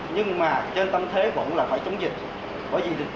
nhưng mà trên tâm thế vẫn là phải chống dịch